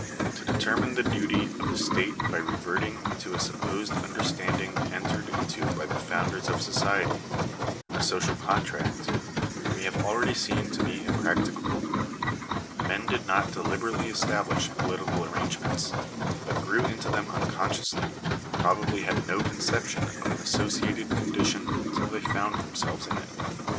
To determine the duty of the state by reverting to a supposed understanding entered into by the founders of society — a social contract — we have already seen to be impracticable (p. 200). Men did not deliberately establish political arrangements, but* grew into them unconsciously — probably had no conception of J an associated condition until they found themselves in it.'